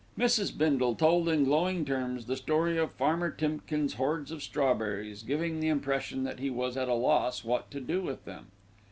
Mrs. Bindle told in glowing terms the story of Farmer Timkins' hoards of strawberries, giving the impression that he was at a loss what to do with them.